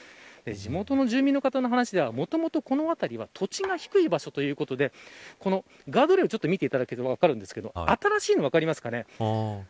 地元の住民の方の話ではもともとこの辺りは土地が低い場所ということでガードレールを見ていただくと分かるんですけど新しいのが分かりますかね。